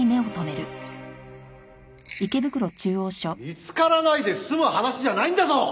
見つからないで済む話じゃないんだぞ！